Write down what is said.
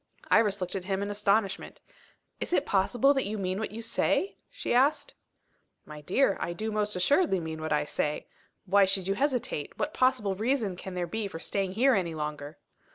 Iris looked at him in astonishment. "Is it possible that you mean what you say?" she asked. "My dear, I do most assuredly mean what I say. Why should you hesitate? What possible reason can there be for staying here any longer?"